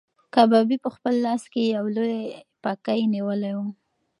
کبابي په خپل لاس کې یو لوی پکی نیولی و.